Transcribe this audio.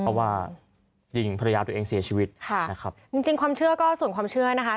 เพราะว่ายิงภรรยาตัวเองเสียชีวิตค่ะนะครับจริงจริงความเชื่อก็ส่วนความเชื่อนะคะ